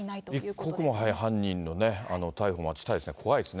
一刻も早い犯人の逮捕を待ちたいですね、怖いですね。